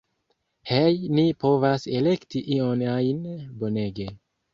Hej' ni povas elekti ion ajn, bonege